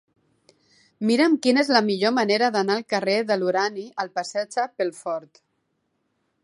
Mira'm quina és la millor manera d'anar del carrer de l'Urani al passatge Pelfort.